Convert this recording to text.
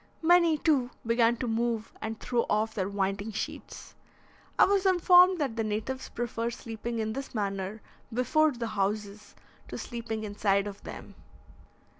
Many, too, began to move and throw off their winding sheets. I was informed that the natives prefer sleeping in this manner before the houses to sleeping inside of them.